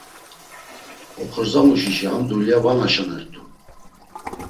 Oxorzamuşişa ham dulya va naşonert̆u.